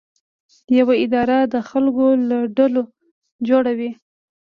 یوه اداره د خلکو له ډلو جوړه وي.